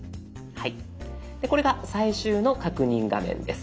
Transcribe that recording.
はいこれが最終の確認画面です。